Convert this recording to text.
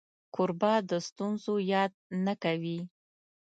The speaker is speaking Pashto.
کوربه د ستونزو یاد نه کوي.